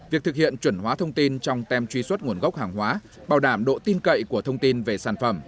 việc thực hiện chuẩn hóa thông tin trong tem truy xuất nguồn gốc hàng hóa bảo đảm độ tin cậy của thông tin về sản phẩm